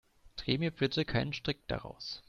Dreh mir bitte keinen Strick daraus.